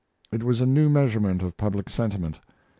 It was a new measurement of public sentiment.